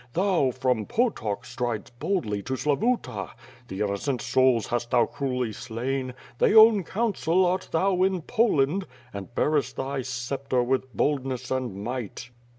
Thou, from Potock, stridesi boldly to Slavuta The innocent souls hast thou cruelly slain. They own council art thou in Polaud Aud bearest thy sceptre with boldness and might.